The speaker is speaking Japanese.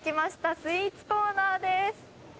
スイーツコーナーです。